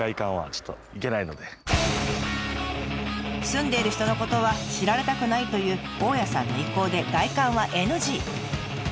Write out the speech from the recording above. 住んでいる人のことは知られたくないという大家さんの意向で外観はＮＧ。